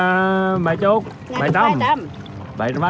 bảy trăm linh là mấy tấm